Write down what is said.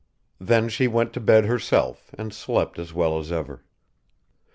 Then she went to bed herself and slept as well as ever.